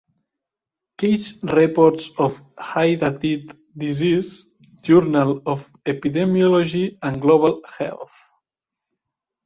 "Case Reports of Hydatid Disease." "Journal of Epidemiology and Global Health".